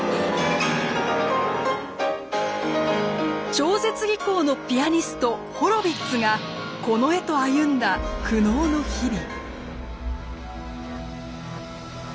超絶技巧のピアニストホロヴィッツがこの絵と歩んだ苦悩の日々。